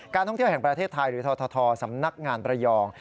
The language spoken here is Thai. ท่องเที่ยวแห่งประเทศไทยหรือททสำนักงานประยอง